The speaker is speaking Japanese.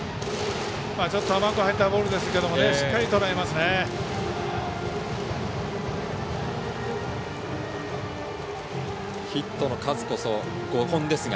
甘く入ったボールですけどしっかりとらえますね。